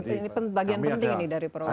ini bagian penting ini dari program